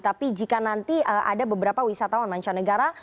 tapi jika nanti ada beberapa wisatawan mancanegara